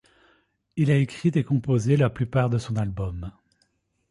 Il a écrit et composé la plupart de son album.